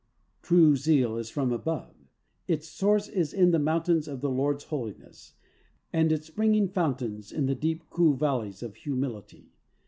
True zeal is from above. Its source is in the mountains of the Lord's holiness, and its springing fountains in the deep cool val leys of humility.